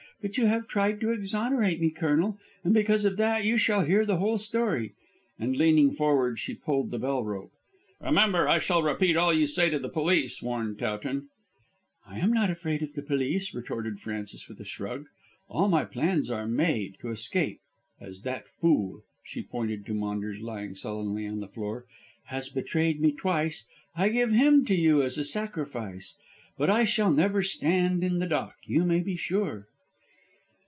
"But you have tried to exonerate me, Colonel, and because of that you shall hear the whole story," and, leaning forward, she pulled the bell rope. "Remember, I shall repeat all you say to the police," warned Towton. "I am not afraid of the police," retorted Frances with a shrug; "all my plans are made to escape. As that fool," she pointed to Maunders lying sullenly on the floor, "has betrayed me twice I give him to you as a sacrifice. But I shall never stand in the dock, you may be sure."